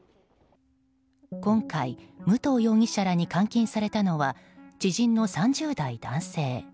今回、武藤容疑者らに監禁されたのは知人の３０代男性。